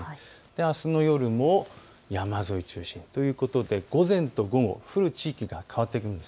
あすの夜も山沿いを中心ということで午前と午後、降る地域が変わってきます。